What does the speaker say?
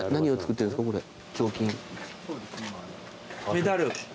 メダル？